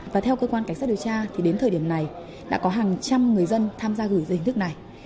và theo cơ quan cảnh sát điều tra thì đến thời điểm này đã có hàng trăm người dân tham gia gửi dây hình thức này